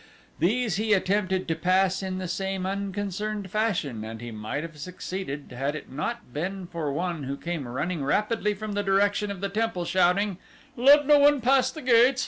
These he attempted to pass in the same unconcerned fashion and he might have succeeded had it not been for one who came running rapidly from the direction of the temple shouting: "Let no one pass the gates!